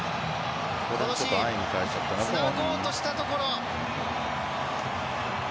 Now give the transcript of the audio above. このシーンつなごうとしたところ。